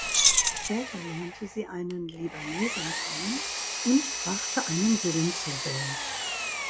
Später lernte sie einen Libanesen kennen und brachte einen Sohn zur Welt.